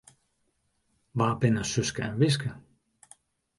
Wa binne Suske en Wiske?